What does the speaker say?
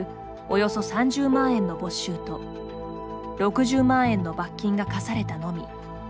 およそ３０万円の没収と６０万円の罰金が科されたのみ。